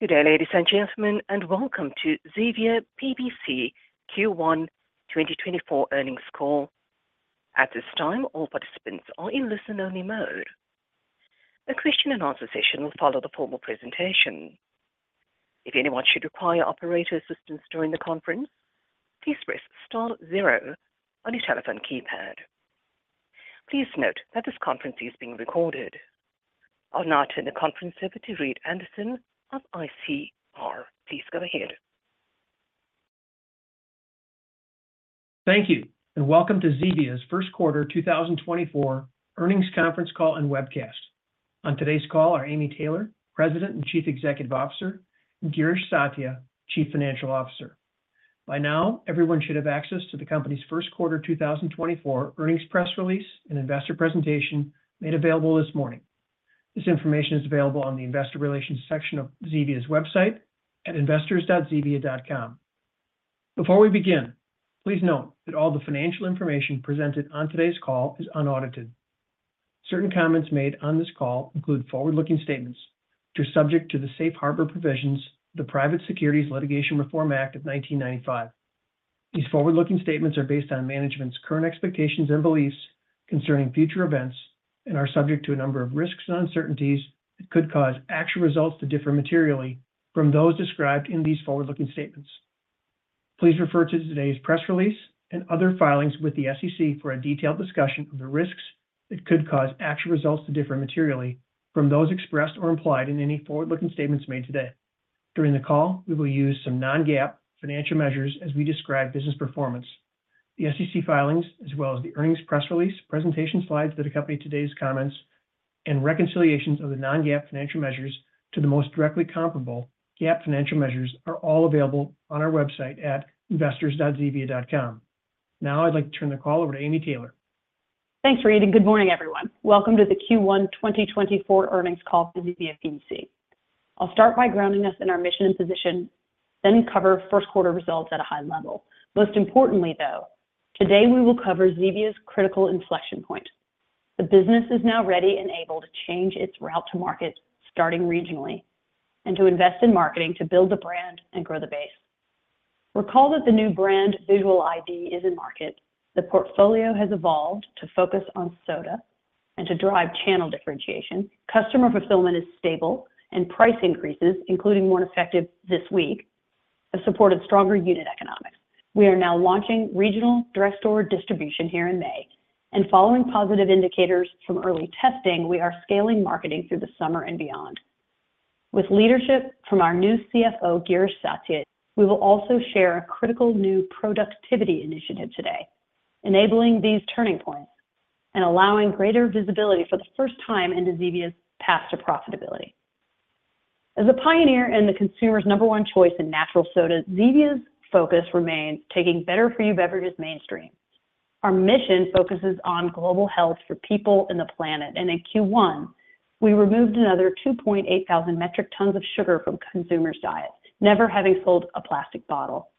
Good day, ladies and gentlemen, and welcome to Zevia PBC Q1 2024 earnings call. At this time, all participants are in listen-only mode. A question-and-answer session will follow the formal presentation. If anyone should require operator assistance during the conference, please press star zero on your telephone keypad. Please note that this conference is being recorded. I'll now turn the conference over to Reed Anderson of ICR. Please go ahead. Thank you, and welcome to Zevia's first quarter 2024 earnings conference call and webcast. On today's call are Amy Taylor, President and Chief Executive Officer, and Girish Satya, Chief Financial Officer. By now, everyone should have access to the company's first quarter 2024 earnings press release and investor presentation made available this morning. This information is available on the investor relations section of Zevia's website at investors.zevia.com. Before we begin, please note that all the financial information presented on today's call is unaudited. Certain comments made on this call include forward-looking statements which are subject to the Safe Harbor provisions of the Private Securities Litigation Reform Act of 1995. These forward-looking statements are based on management's current expectations and beliefs concerning future events and are subject to a number of risks and uncertainties that could cause actual results to differ materially from those described in these forward-looking statements. Please refer to today's press release and other filings with the SEC for a detailed discussion of the risks that could cause actual results to differ materially from those expressed or implied in any forward-looking statements made today. During the call, we will use some non-GAAP financial measures as we describe business performance. The SEC filings, as well as the earnings press release, presentation slides that accompany today's comments, and reconciliations of the non-GAAP financial measures to the most directly comparable GAAP financial measures are all available on our website at investors.zevia.com. Now I'd like to turn the call over to Amy Taylor. Thanks, Reed, and good morning, everyone. Welcome to the Q1 2024 earnings call from Zevia PBC. I'll start by grounding us in our mission and position, then cover first quarter results at a high level. Most importantly, though, today we will cover Zevia's critical inflection point. The business is now ready and able to change its route to market, starting regionally, and to invest in marketing to build the brand and grow the base. Recall that the new brand visual ID is in market. The portfolio has evolved to focus on soda and to drive channel differentiation. Customer fulfillment is stable, and price increases, including one effective this week, have supported stronger unit economics. We are now launching regional direct store delivery here in May, and following positive indicators from early testing, we are scaling marketing through the summer and beyond. With leadership from our new CFO, Girish Satya, we will also share a critical new productivity initiative today, enabling these turning points and allowing greater visibility for the first time into Zevia's path to profitability. As a pioneer in the consumer's number one choice in natural soda, Zevia's focus remains taking better-for-you beverages mainstream. Our mission focuses on global health for people and the planet, and in Q1, we removed another 2,800 metric tons of sugar from consumers' diets, never having sold a plastic bottle.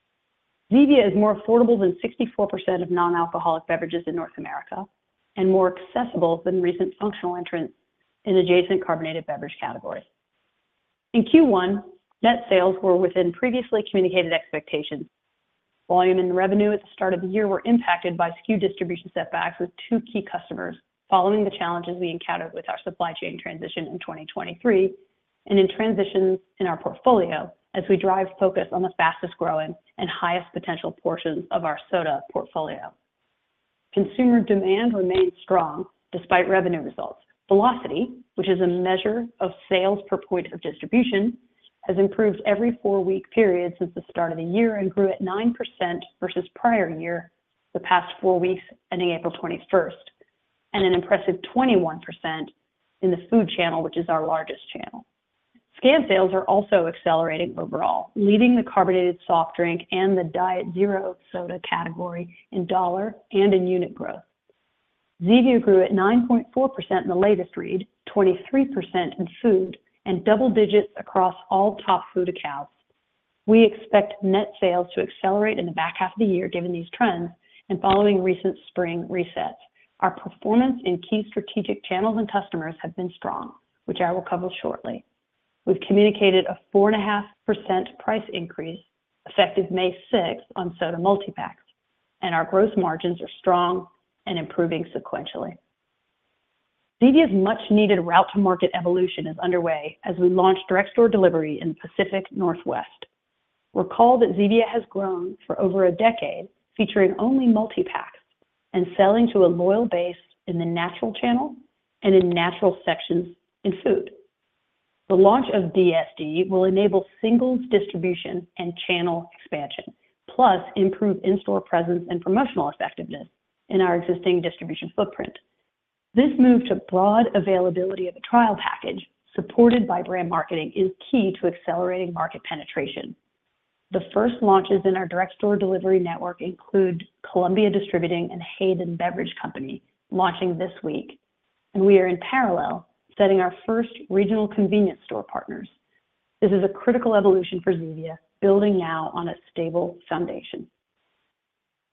Zevia is more affordable than 64% of non-alcoholic beverages in North America and more accessible than recent functional entrants in adjacent carbonated beverage categories. In Q1, net sales were within previously communicated expectations. Volume and revenue at the start of the year were impacted by SKU distribution setbacks with two key customers, following the challenges we encountered with our supply chain transition in 2023 and in transitions in our portfolio as we drive focus on the fastest growing and highest potential portions of our soda portfolio. Consumer demand remains strong despite revenue results. Velocity, which is a measure of sales per point of distribution, has improved every four-week period since the start of the year and grew at 9% versus prior year the past four weeks, ending April 21st, and an impressive 21% in the food channel, which is our largest channel. Scan sales are also accelerating overall, leading the carbonated soft drink and the Diet Zero soda category in dollar and in unit growth. Zevia grew at 9.4% in the latest read, 23% in food, and double digits across all top food accounts. We expect net sales to accelerate in the back half of the year given these trends and following recent spring resets. Our performance in key strategic channels and customers has been strong, which I will cover shortly. We've communicated a 4.5% price increase effective May 6th on soda multi-packs, and our gross margins are strong and improving sequentially. Zevia's much-needed route to market evolution is underway as we launch direct store delivery in the Pacific Northwest. Recall that Zevia has grown for over a decade, featuring only multi-packs and selling to a loyal base in the natural channel and in natural sections in food. The launch of DSD will enable singles distribution and channel expansion, plus improve in-store presence and promotional effectiveness in our existing distribution footprint. This move to broad availability of a trial package supported by brand marketing is key to accelerating market penetration. The first launches in our direct store delivery network include Columbia Distributing and Hayden Beverage Company launching this week, and we are in parallel setting our first regional convenience store partners. This is a critical evolution for Zevia, building now on a stable foundation.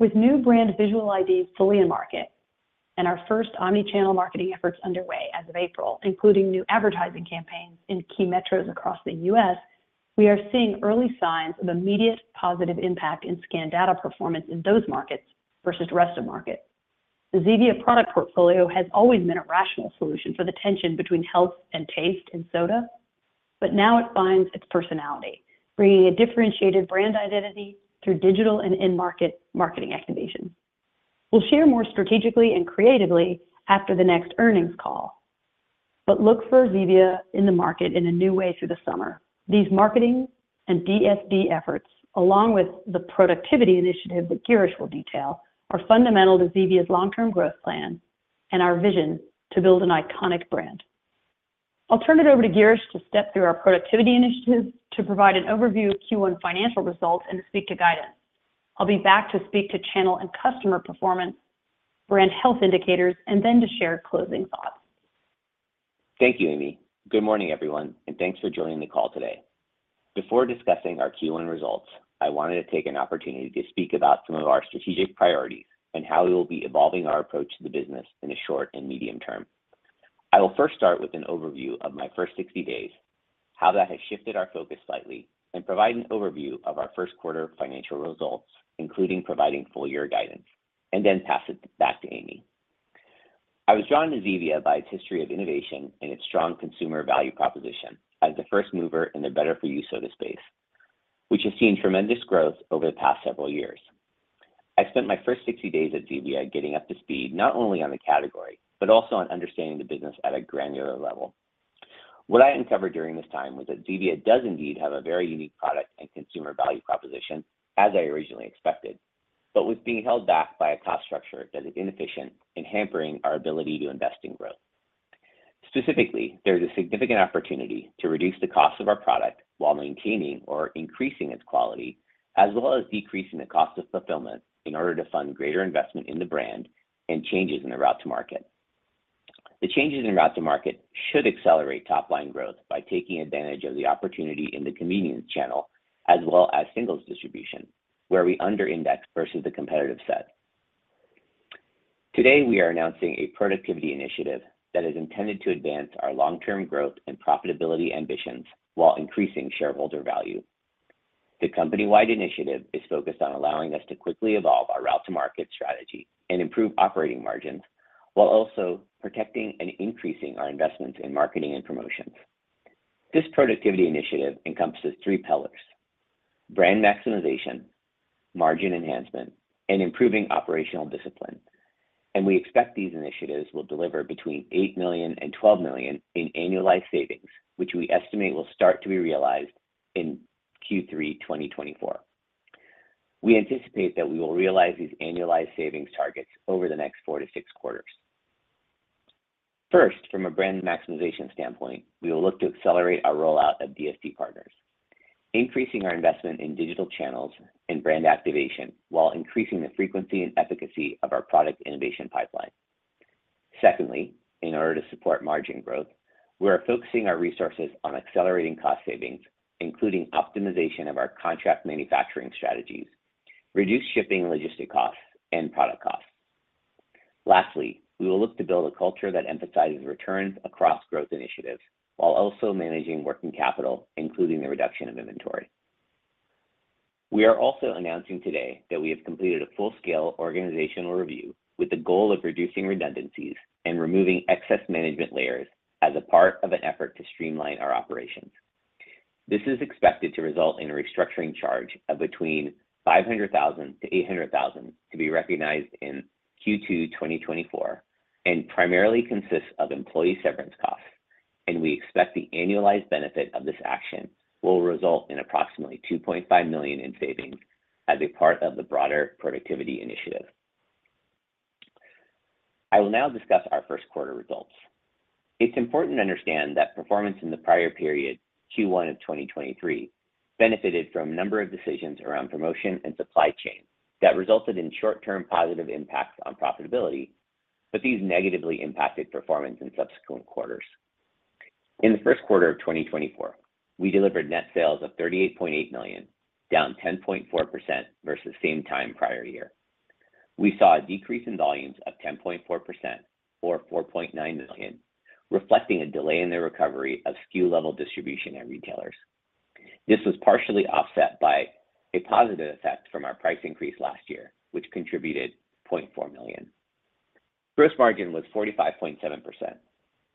With new brand visual IDs fully in market and our first omnichannel marketing efforts underway as of April, including new advertising campaigns in key metros across the U.S., we are seeing early signs of immediate positive impact in scan data performance in those markets versus the rest of the market. The Zevia product portfolio has always been a rational solution for the tension between health and taste in soda, but now it finds its personality, bringing a differentiated brand identity through digital and in-market marketing activations. We'll share more strategically and creatively after the next earnings call, but look for Zevia in the market in a new way through the summer. These marketing and DSD efforts, along with the productivity initiative that Girish will detail, are fundamental to Zevia's long-term growth plan and our vision to build an iconic brand. I'll turn it over to Girish to step through our productivity initiatives to provide an overview of Q1 financial results and to speak to guidance. I'll be back to speak to channel and customer performance, brand health indicators, and then to share closing thoughts. Thank you, Amy. Good morning, everyone, and thanks for joining the call today. Before discussing our Q1 results, I wanted to take an opportunity to speak about some of our strategic priorities and how we will be evolving our approach to the business in the short and medium term. I will first start with an overview of my first 60 days, how that has shifted our focus slightly, and provide an overview of our first quarter financial results, including providing full-year guidance, and then pass it back to Amy. I was drawn to Zevia by its history of innovation and its strong consumer value proposition as the first mover in the better-for-you soda space, which has seen tremendous growth over the past several years. I spent my first 60 days at Zevia getting up to speed not only on the category but also on understanding the business at a granular level. What I uncovered during this time was that Zevia does indeed have a very unique product and consumer value proposition as I originally expected, but was being held back by a cost structure that is inefficient and hampering our ability to invest in growth. Specifically, there is a significant opportunity to reduce the cost of our product while maintaining or increasing its quality, as well as decreasing the cost of fulfillment in order to fund greater investment in the brand and changes in the route to market. The changes in route to market should accelerate top-line growth by taking advantage of the opportunity in the convenience channel as well as singles distribution, where we underindex versus the competitive set. Today, we are announcing a productivity initiative that is intended to advance our long-term growth and profitability ambitions while increasing shareholder value. The company-wide initiative is focused on allowing us to quickly evolve our route-to-market strategy and improve operating margins while also protecting and increasing our investments in marketing and promotions. This productivity initiative encompasses three pillars: brand maximization, margin enhancement, and improving operational discipline. We expect these initiatives will deliver between $8 million and $12 million in annualized savings, which we estimate will start to be realized in Q3 2024. We anticipate that we will realize these annualized savings targets over the next four to six quarters. First, from a brand maximization standpoint, we will look to accelerate our rollout of DSD partners, increasing our investment in digital channels and brand activation while increasing the frequency and efficacy of our product innovation pipeline. Secondly, in order to support margin growth, we are focusing our resources on accelerating cost savings, including optimization of our contract manufacturing strategies, reduced shipping and logistic costs, and product costs. Lastly, we will look to build a culture that emphasizes returns across growth initiatives while also managing working capital, including the reduction of inventory. We are also announcing today that we have completed a full-scale organizational review with the goal of reducing redundancies and removing excess management layers as a part of an effort to streamline our operations. This is expected to result in a restructuring charge of between $500,000-$800,000 to be recognized in Q2 2024 and primarily consists of employee severance costs. We expect the annualized benefit of this action will result in approximately $2.5 million in savings as a part of the broader productivity initiative. I will now discuss our first quarter results. It's important to understand that performance in the prior period, Q1 of 2023, benefited from a number of decisions around promotion and supply chain that resulted in short-term positive impacts on profitability, but these negatively impacted performance in subsequent quarters. In the first quarter of 2024, we delivered net sales of $38.8 million, down 10.4% versus the same time prior year. We saw a decrease in volumes of 10.4% or $4.9 million, reflecting a delay in the recovery of SKU-level distribution and retailers. This was partially offset by a positive effect from our price increase last year, which contributed $0.4 million. Gross margin was 45.7%,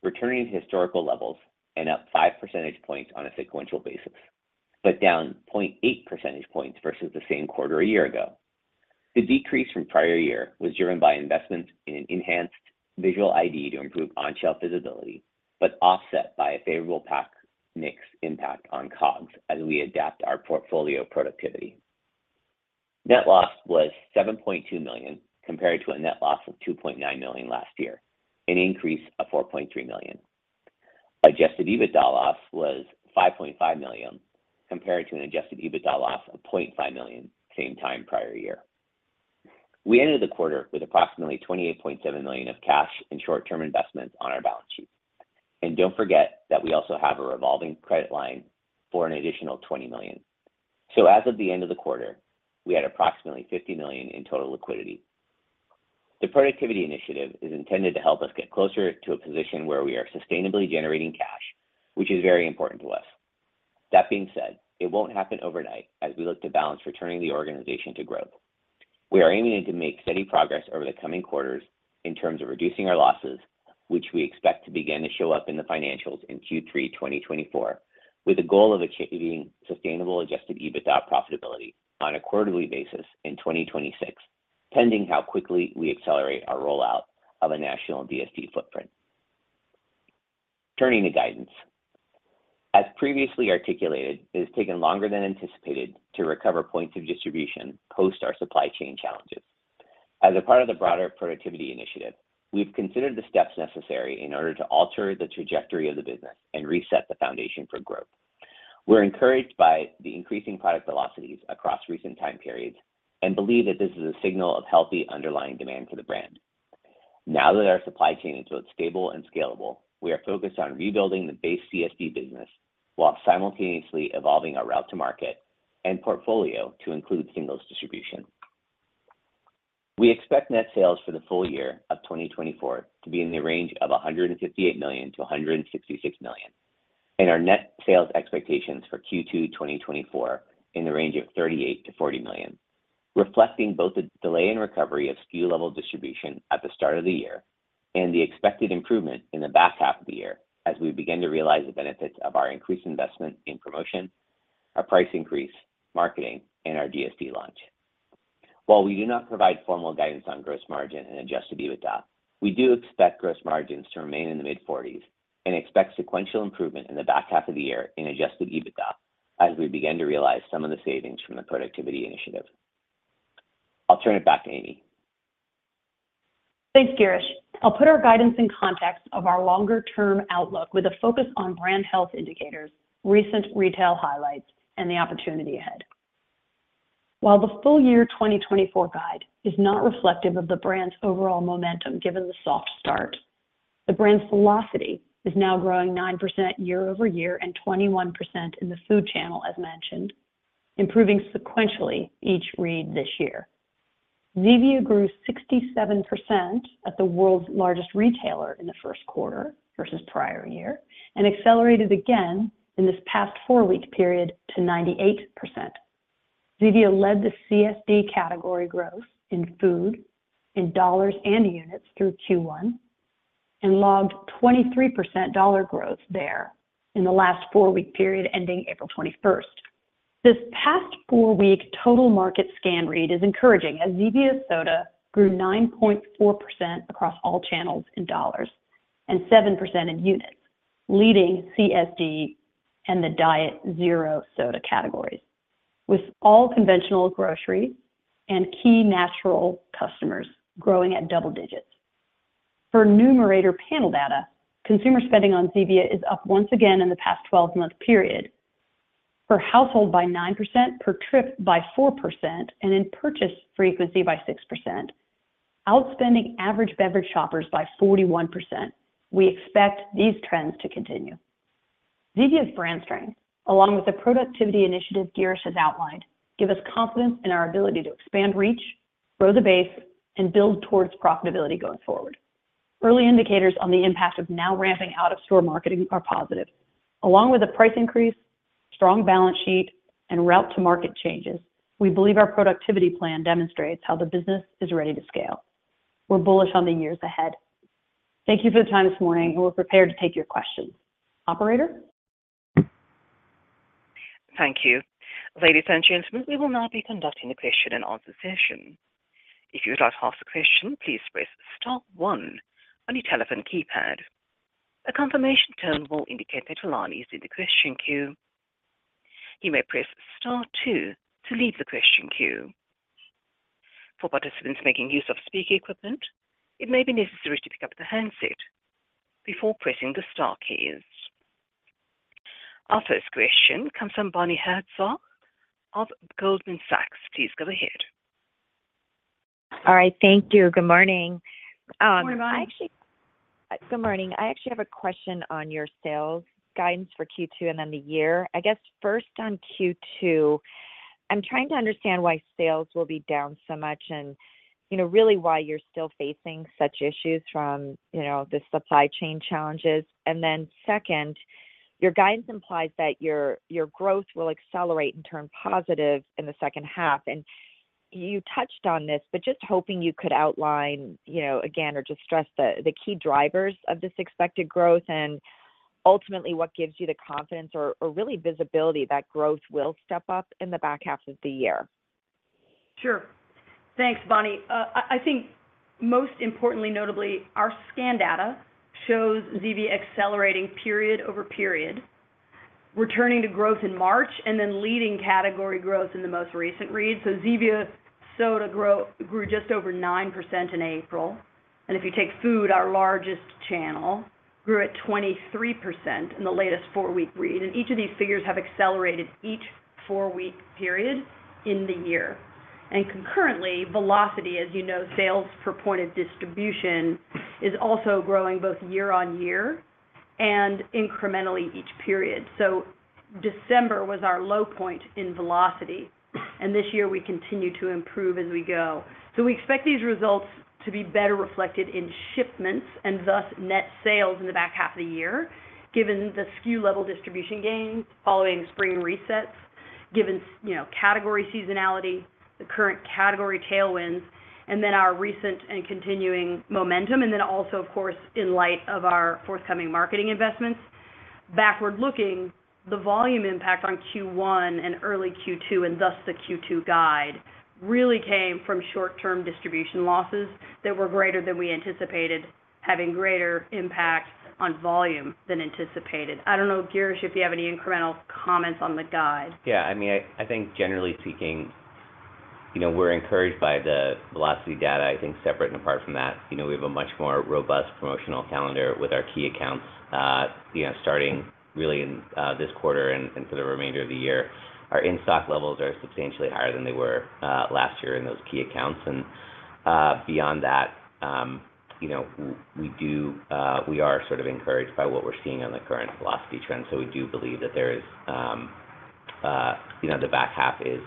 returning to historical levels and up 5 percentage points on a sequential basis, but down 0.8 percentage points versus the same quarter a year ago. The decrease from prior year was driven by investments in an enhanced visual ID to improve on-shelf visibility, but offset by a favorable pack mix impact on COGS as we adapt our portfolio productivity. Net loss was $7.2 million compared to a net loss of $2.9 million last year, an increase of $4.3 million. Adjusted EBITDA loss was $5.5 million compared to an Adjusted EBITDA loss of $0.5 million, same time prior year. We ended the quarter with approximately $28.7 million of cash and short-term investments on our balance sheet. Don't forget that we also have a revolving credit line for an additional $20 million. As of the end of the quarter, we had approximately $50 million in total liquidity. The productivity initiative is intended to help us get closer to a position where we are sustainably generating cash, which is very important to us. That being said, it won't happen overnight as we look to balance returning the organization to growth. We are aiming to make steady progress over the coming quarters in terms of reducing our losses, which we expect to begin to show up in the financials in Q3 2024, with the goal of achieving sustainable Adjusted EBITDA profitability on a quarterly basis in 2026, pending how quickly we accelerate our rollout of a national DSD footprint. Turning to guidance. As previously articulated, it has taken longer than anticipated to recover points of distribution post our supply chain challenges. As a part of the broader productivity initiative, we've considered the steps necessary in order to alter the trajectory of the business and reset the foundation for growth. We're encouraged by the increasing product velocities across recent time periods and believe that this is a signal of healthy underlying demand for the brand. Now that our supply chain is both stable and scalable, we are focused on rebuilding the base CSD business while simultaneously evolving our route to market and portfolio to include singles distribution. We expect net sales for the full year of 2024 to be in the range of $158 million-$166 million, and our net sales expectations for Q2 2024 in the range of $38 million-$40 million, reflecting both the delay in recovery of SKU-level distribution at the start of the year and the expected improvement in the back half of the year as we begin to realize the benefits of our increased investment in promotion, our price increase, marketing, and our DSD launch. While we do not provide formal guidance on gross margin and Adjusted EBITDA, we do expect gross margins to remain in the mid-40s% and expect sequential improvement in the back half of the year in Adjusted EBITDA as we begin to realize some of the savings from the productivity initiative. I'll turn it back to Amy. Thanks, Girish. I'll put our guidance in context of our longer-term outlook with a focus on brand health indicators, recent retail highlights, and the opportunity ahead. While the full-year 2024 guide is not reflective of the brand's overall momentum given the soft start, the brand's velocity is now growing 9% year-over-year and 21% in the food channel, as mentioned, improving sequentially each read this year. Zevia grew 67% at the world's largest retailer in the first quarter versus prior year and accelerated again in this past four-week period to 98%. Zevia led the CSD category growth in food in dollars and units through Q1 and logged 23% dollar growth there in the last four-week period ending April 21st. This past four-week total market scan read is encouraging as Zevia soda grew 9.4% across all channels in dollars and 7% in units, leading CSD and the Diet Zero soda categories, with all conventional groceries and key natural customers growing at double digits. For Numerator panel data, consumer spending on Zevia is up once again in the past 12-month period. For household by 9%, per trip by 4%, and in purchase frequency by 6%, outspending average beverage shoppers by 41%. We expect these trends to continue. Zevia's brand strengths, along with the productivity initiative Girish has outlined, give us confidence in our ability to expand reach, grow the base, and build towards profitability going forward. Early indicators on the impact of now ramping out-of-store marketing are positive. Along with a price increase, strong balance sheet, and route-to-market changes, we believe our productivity plan demonstrates how the business is ready to scale. We're bullish on the years ahead. Thank you for the time this morning, and we're prepared to take your questions. Operator? Thank you. Ladies and gentlemen, we will not be conducting a question-and-answer session. If you would like to ask a question, please press star one on your telephone keypad. A confirmation tone will indicate that you are in the question queue. You may press star two to leave the question queue. For participants making use of speaker equipment, it may be necessary to pick up the handset before pressing the star keys. Our first question comes from Bonnie Herzog of Goldman Sachs. Please go ahead. All right. Thank you. Good morning. Good morning, Bonnie. Good morning. I actually have a question on your sales guidance for Q2 and then the year. I guess first on Q2, I'm trying to understand why sales will be down so much and really why you're still facing such issues from the supply chain challenges. Then second, your guidance implies that your growth will accelerate and turn positive in the second half. You touched on this, but just hoping you could outline again or just stress the key drivers of this expected growth and ultimately what gives you the confidence or really visibility that growth will step up in the back half of the year. Sure. Thanks, Bonnie. I think most importantly, notably, our scan data shows Zevia accelerating period-over-period, returning to growth in March, and then leading category growth in the most recent read. So Zevia soda grew just over 9% in April. And if you take food, our largest channel, grew at 23% in the latest four-week read. And each of these figures have accelerated each four-week period in the year. And concurrently, velocity, as you know, sales per point of distribution is also growing both year-on-year and incrementally each period. So December was our low point in velocity. And this year, we continue to improve as we go. So we expect these results to be better reflected in shipments and thus net sales in the back half of the year, given the SKU-level distribution gains following spring resets, given category seasonality, the current category tailwinds, and then our recent and continuing momentum, and then also, of course, in light of our forthcoming marketing investments. Backward-looking, the volume impact on Q1 and early Q2 and thus the Q2 guide really came from short-term distribution losses that were greater than we anticipated, having greater impact on volume than anticipated. I don't know, Girish, if you have any incremental comments on the guide. Yeah. I mean, I think generally speaking, we're encouraged by the velocity data. I think separate and apart from that, we have a much more robust promotional calendar with our key accounts starting really in this quarter and for the remainder of the year. Our in-stock levels are substantially higher than they were last year in those key accounts. And beyond that, we are sort of encouraged by what we're seeing on the current velocity trend. So we do believe that the back half is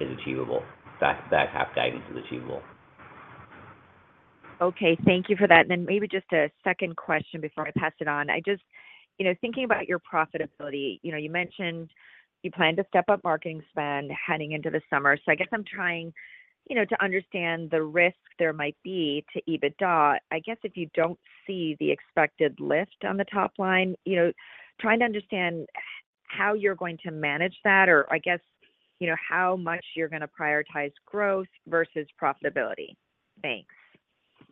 achievable. Back half guidance is achievable. Okay. Thank you for that. Then maybe just a second question before I pass it on. I'm just thinking about your profitability. You mentioned you plan to step up marketing spend heading into the summer. So I guess I'm trying to understand the risk there might be to EBITDA. I guess if you don't see the expected lift on the top line, trying to understand how you're going to manage that or I guess how much you're going to prioritize growth versus profitability. Thanks.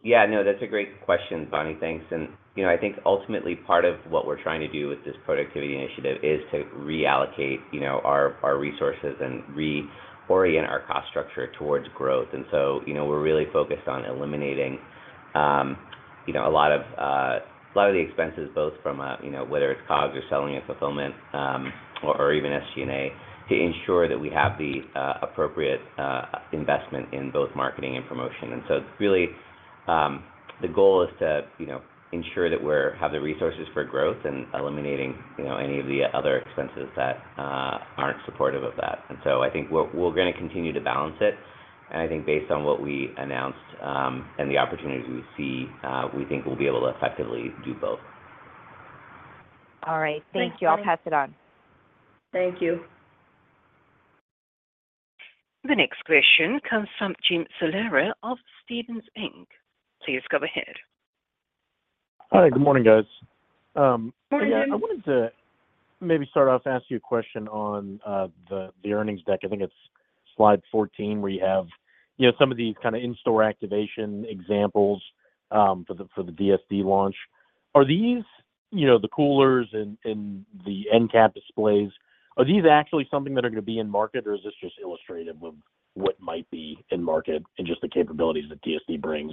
Yeah. No, that's a great question, Bonnie. Thanks. And I think ultimately, part of what we're trying to do with this productivity initiative is to reallocate our resources and reorient our cost structure towards growth. And so we're really focused on eliminating a lot of the expenses, both from whether it's COGS or selling and fulfillment or even SG&A, to ensure that we have the appropriate investment in both marketing and promotion. And so really, the goal is to ensure that we have the resources for growth and eliminating any of the other expenses that aren't supportive of that. And so I think we're going to continue to balance it. And I think based on what we announced and the opportunities we see, we think we'll be able to effectively do both. All right. Thank you. I'll pass it on. Thank you. The next question comes from Jim Salera of Stephens Inc. Please go ahead. Hi. Good morning, guys. Morning, Jim. I wanted to maybe start off asking you a question on the earnings deck. I think it's slide 14 where you have some of these kind of in-store activation examples for the DSD launch. Are these the coolers and the end cap displays, are these actually something that are going to be in market, or is this just illustrative of what might be in market and just the capabilities that DSD brings?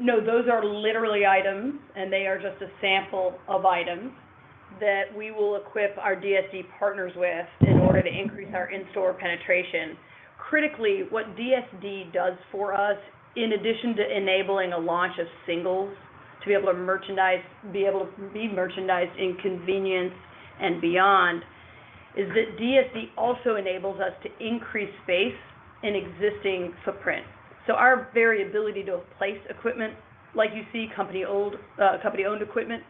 No, those are literally items, and they are just a sample of items that we will equip our DSD partners with in order to increase our in-store penetration. Critically, what DSD does for us, in addition to enabling a launch of singles to be able to merchandise, be able to be merchandised in convenience and beyond, is that DSD also enables us to increase space in existing footprint. So our variability to place equipment, like you see, company-owned equipment,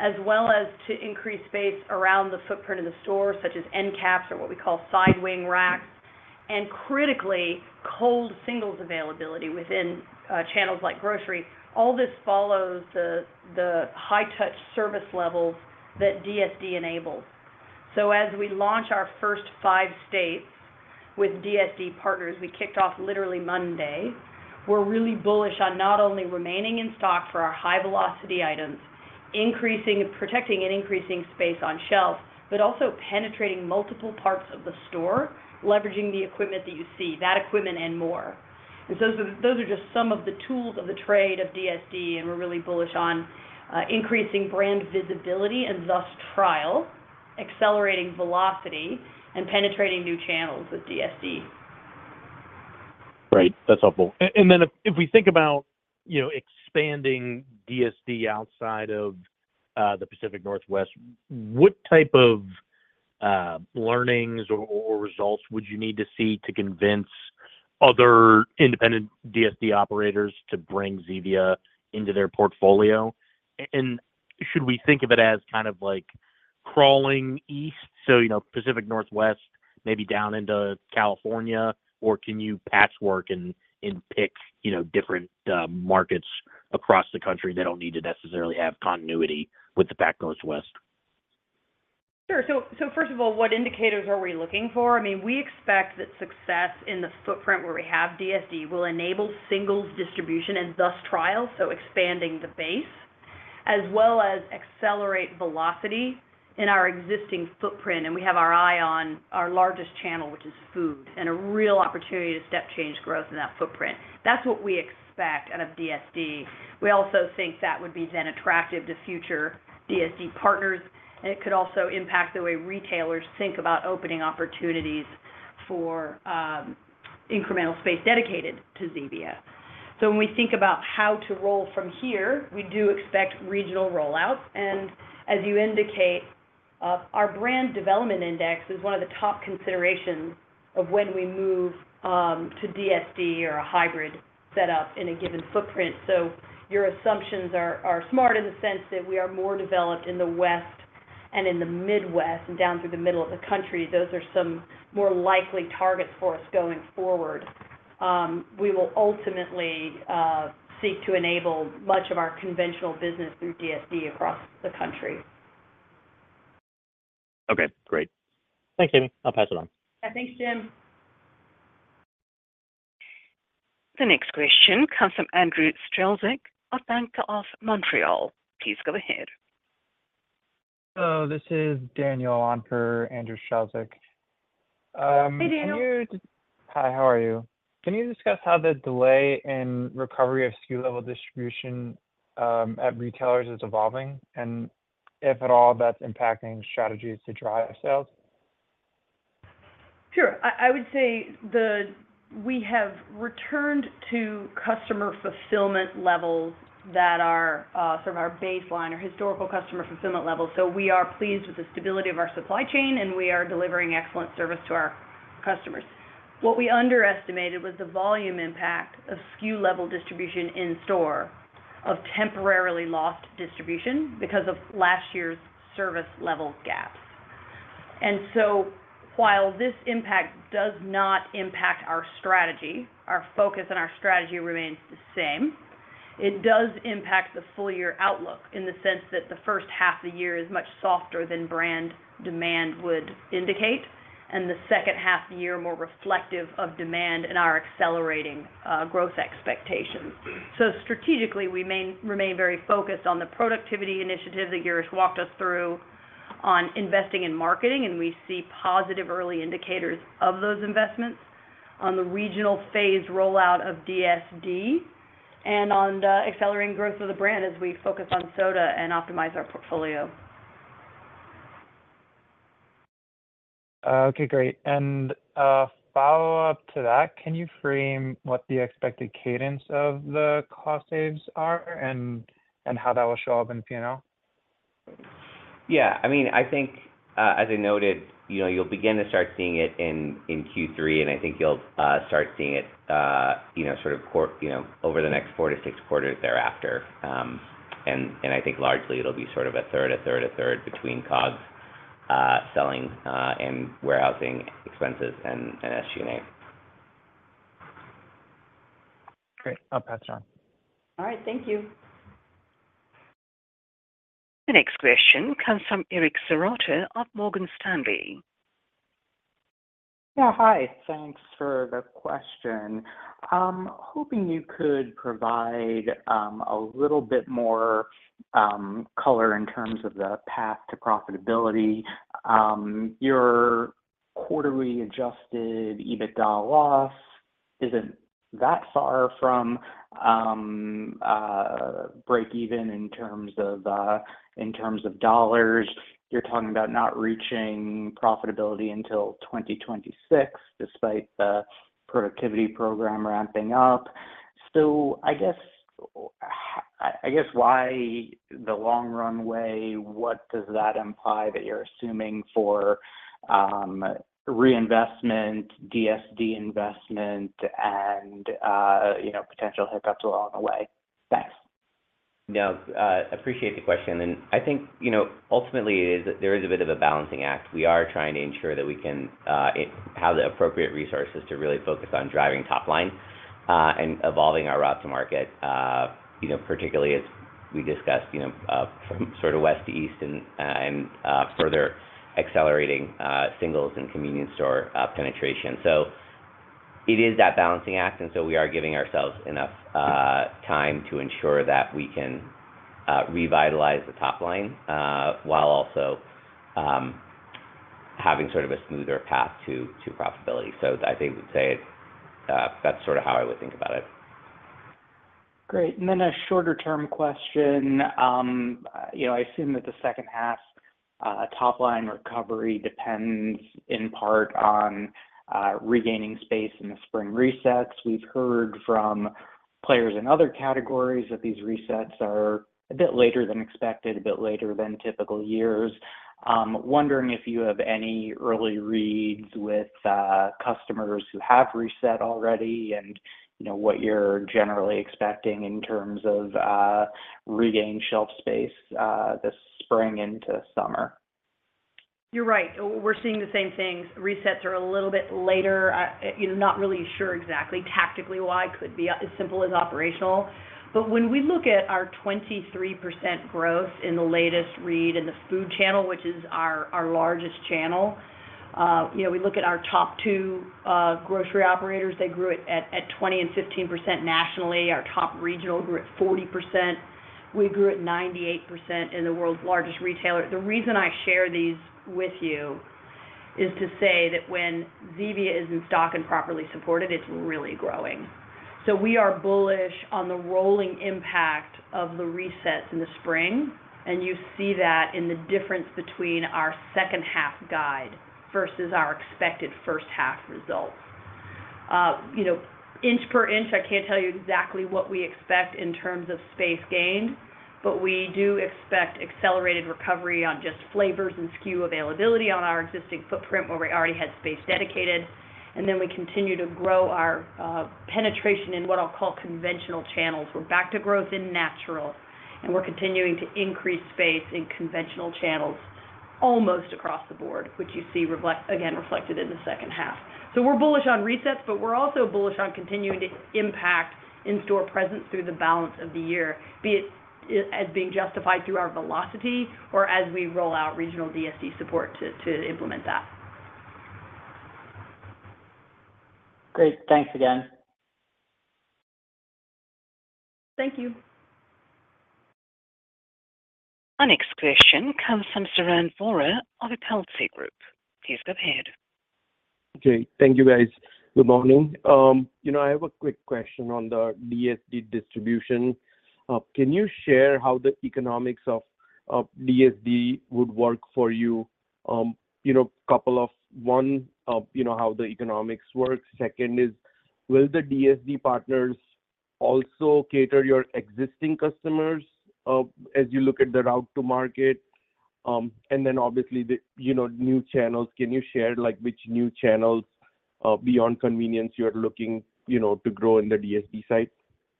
as well as to increase space around the footprint of the store, such as end caps or what we call side wing racks, and critically, cold singles availability within channels like grocery, all this follows the high-touch service levels that DSD enables. So as we launch our first five states with DSD partners, we kicked off literally Monday. We're really bullish on not only remaining in stock for our high-velocity items, protecting and increasing space on shelf, but also penetrating multiple parts of the store, leveraging the equipment that you see, that equipment and more. And so those are just some of the tools of the trade of DSD, and we're really bullish on increasing brand visibility and thus trial, accelerating velocity, and penetrating new channels with DSD. Right. That's helpful. And then if we think about expanding DSD outside of the Pacific Northwest, what type of learnings or results would you need to see to convince other independent DSD operators to bring Zevia into their portfolio? And should we think of it as kind of like crawling east, so Pacific Northwest, maybe down into California, or can you patchwork and pick different markets across the country that don't need to necessarily have continuity with the Pacific Northwest? Sure. So first of all, what indicators are we looking for? I mean, we expect that success in the footprint where we have DSD will enable singles distribution and thus trial, so expanding the base, as well as accelerate velocity in our existing footprint. And we have our eye on our largest channel, which is food, and a real opportunity to step change growth in that footprint. That's what we expect out of DSD. We also think that would be then attractive to future DSD partners. And it could also impact the way retailers think about opening opportunities for incremental space dedicated to Zevia. So when we think about how to roll from here, we do expect regional rollout. And as you indicate, our Brand Development Index is one of the top considerations of when we move to DSD or a hybrid setup in a given footprint. So your assumptions are smart in the sense that we are more developed in the West and in the Midwest and down through the middle of the country. Those are some more likely targets for us going forward. We will ultimately seek to enable much of our conventional business through DSD across the country. Okay. Great. Thanks, Amy. I'll pass it on. Yeah. Thanks, Jim. The next question comes from Andrew Strelzik with Bank of Montreal. Please go ahead. Hello. This is Daniel on for Andrew Strelzik. Hey, Daniel. Hi. How are you? Can you discuss how the delay in recovery of SKU-level distribution at retailers is evolving, and if at all, that's impacting strategies to drive sales? Sure. I would say we have returned to customer fulfillment levels that are sort of our baseline or historical customer fulfillment levels. So we are pleased with the stability of our supply chain, and we are delivering excellent service to our customers. What we underestimated was the volume impact of SKU-level distribution in-store of temporarily lost distribution because of last year's service level gaps. And so while this impact does not impact our strategy, our focus on our strategy remains the same, it does impact the full-year outlook in the sense that the first half of the year is much softer than brand demand would indicate and the second half of the year more reflective of demand and our accelerating growth expectations. Strategically, we remain very focused on the productivity initiative that Girish walked us through on investing in marketing, and we see positive early indicators of those investments on the regional phased rollout of DSD and on accelerating growth of the brand as we focus on soda and optimize our portfolio. Okay. Great. Follow-up to that, can you frame what the expected cadence of the cost saves are and how that will show up in P&L? Yeah. I mean, I think, as I noted, you'll begin to start seeing it in Q3, and I think you'll start seeing it sort of over the next four to six quarters thereafter. And I think largely, it'll be sort of a third, a third, a third between COGS, selling and warehousing expenses, and SG&A. Great. I'll pass it on. All right. Thank you. The next question comes from Eric Serotta of Morgan Stanley. Yeah. Hi. Thanks for the question. Hoping you could provide a little bit more color in terms of the path to profitability. Your quarterly Adjusted EBITDA loss isn't that far from break-even in terms of dollars. You're talking about not reaching profitability until 2026 despite the productivity program ramping up. So I guess why the long runway? What does that imply that you're assuming for reinvestment, DSD investment, and potential hiccups along the way? Thanks. No, I appreciate the question. I think ultimately, there is a bit of a balancing act. We are trying to ensure that we can have the appropriate resources to really focus on driving top line and evolving our route to market, particularly as we discussed from sort of west to east and further accelerating singles and convenience store penetration. So it is that balancing act. So we are giving ourselves enough time to ensure that we can revitalize the top line while also having sort of a smoother path to profitability. So I think I would say that's sort of how I would think about it. Great. And then a shorter-term question. I assume that the second half top line recovery depends in part on regaining space in the spring resets. We've heard from players in other categories that these resets are a bit later than expected, a bit later than typical years. Wondering if you have any early reads with customers who have reset already and what you're generally expecting in terms of regained shelf space this spring into summer? You're right. We're seeing the same things. Resets are a little bit later. Not really sure exactly tactically why. It could be as simple as operational. But when we look at our 23% growth in the latest read in the food channel, which is our largest channel, we look at our top two grocery operators. They grew it at 20% and 15% nationally. Our top regional grew at 40%. We grew at 98% in the world's largest retailer. The reason I share these with you is to say that when Zevia is in stock and properly supported, it's really growing. So we are bullish on the rolling impact of the resets in the spring. And you see that in the difference between our second-half guide versus our expected first-half results. Inch per inch, I can't tell you exactly what we expect in terms of space gained, but we do expect accelerated recovery on just flavors and SKU availability on our existing footprint where we already had space dedicated. And then we continue to grow our penetration in what I'll call conventional channels. We're back to growth in natural, and we're continuing to increase space in conventional channels almost across the board, which you see, again, reflected in the second half. So we're bullish on resets, but we're also bullish on continuing to impact in-store presence through the balance of the year, be it as being justified through our velocity or as we roll out regional DSD support to implement that. Great. Thanks again. Thank you. The next question comes from Sarang Vora of Telsey Advisory Group. Please go ahead. Okay. Thank you, guys. Good morning. I have a quick question on the DSD distribution. Can you share how the economics of DSD would work for you? Couple of one, how the economics works. Second is, will the DSD partners also cater your existing customers as you look at the route to market? And then obviously, new channels. Can you share which new channels beyond convenience you are looking to grow in the DSD site?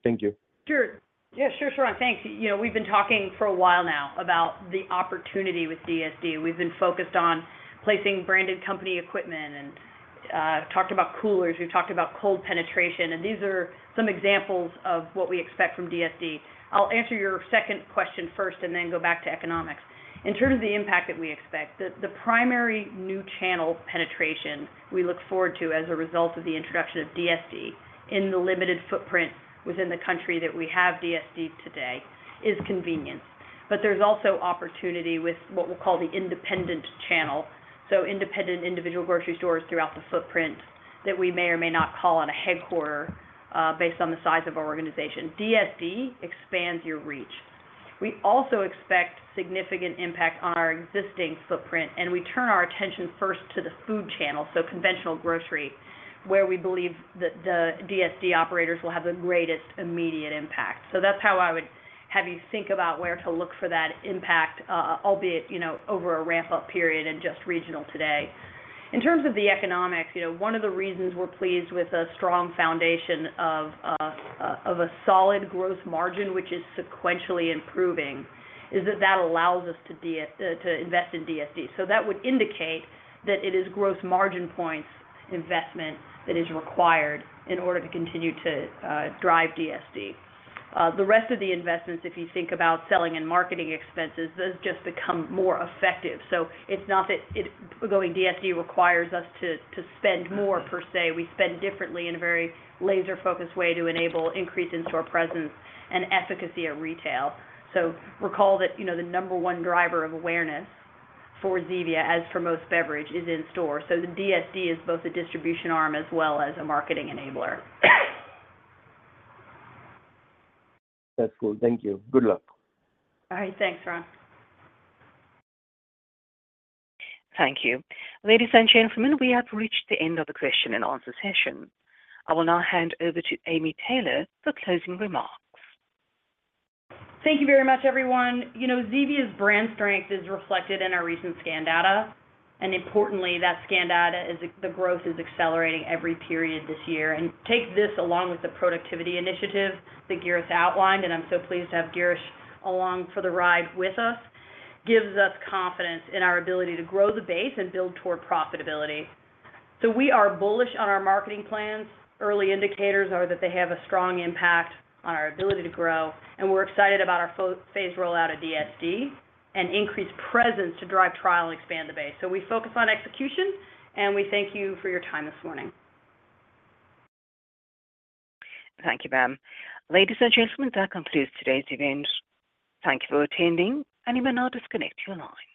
Thank you. Sure. Yeah. Sure, Sarang. Thanks. We've been talking for a while now about the opportunity with DSD. We've been focused on placing branded company equipment and talked about coolers. We've talked about cold penetration. These are some examples of what we expect from DSD. I'll answer your second question first and then go back to economics. In terms of the impact that we expect, the primary new channel penetration we look forward to as a result of the introduction of DSD in the limited footprint within the country that we have DSD today is convenience. But there's also opportunity with what we'll call the independent channel, so independent individual grocery stores throughout the footprint that we may or may not call on headquarters based on the size of our organization. DSD expands your reach. We also expect significant impact on our existing footprint, and we turn our attention first to the food channel, so conventional grocery, where we believe that the DSD operators will have the greatest immediate impact. So that's how I would have you think about where to look for that impact, albeit over a ramp-up period and just regional today. In terms of the economics, one of the reasons we're pleased with a strong foundation of a solid gross margin, which is sequentially improving, is that that allows us to invest in DSD. So that would indicate that it is gross margin points investment that is required in order to continue to drive DSD. The rest of the investments, if you think about selling and marketing expenses, those just become more effective. So it's not that going DSD requires us to spend more per se. We spend differently in a very laser-focused way to enable increased in-store presence and efficacy at retail. Recall that the number one driver of awareness for Zevia, as for most beverage, is in-store. The DSD is both a distribution arm as well as a marketing enabler. That's cool. Thank you. Good luck. All right. Thanks, Sarang. Thank you. Ladies and gentlemen, we have reached the end of the question-and-answer session. I will now hand over to Amy Taylor for closing remarks. Thank you very much, everyone. Zevia's brand strength is reflected in our recent scan data. Importantly, that scan data is the growth is accelerating every period this year. Take this along with the productivity initiative that Girish outlined, and I'm so pleased to have Girish along for the ride with us, gives us confidence in our ability to grow the base and build toward profitability. We are bullish on our marketing plans. Early indicators are that they have a strong impact on our ability to grow. We're excited about our phased rollout of DSD and increased presence to drive trial and expand the base. We focus on execution, and we thank you for your time this morning. Thank you, ma'am. Ladies and gentlemen, that concludes today's event. Thank you for attending, and you may now disconnect your line.